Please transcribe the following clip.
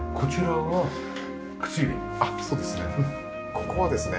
ここはですね